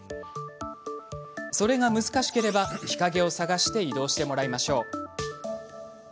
それが難しければ、日陰を探して移動してもらいましょう。